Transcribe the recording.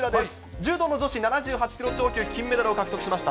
柔道の女子７８キロ超級金メダルを獲得しました